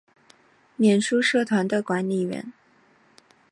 脸书社团的管理者